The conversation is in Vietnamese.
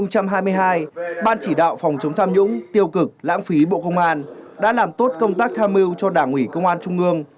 năm hai nghìn hai mươi hai ban chỉ đạo phòng chống tham nhũng tiêu cực lãng phí bộ công an đã làm tốt công tác tham mưu cho đảng ủy công an trung ương